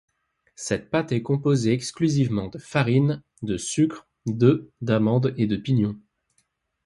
Cette pâte est composée exclusivement de farine, de sucre, d'œuf, d'amandes et de pignons.